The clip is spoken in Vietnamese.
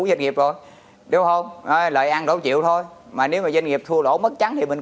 doanh nghiệp thôi đúng không lại ăn đổ chịu thôi mà nếu mà doanh nghiệp thua lỗ mất chắn thì mình